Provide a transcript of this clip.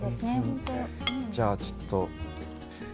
じゃあ、ちょっと。